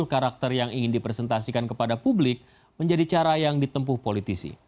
karakter yang ingin dipresentasikan kepada publik menjadi cara yang ditempuh politisi